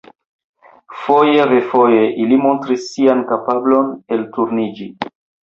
Foje-refoje ili montris sian kapablon elturniĝi.